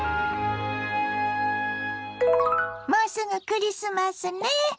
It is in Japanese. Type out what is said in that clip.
もうすぐクリスマスね。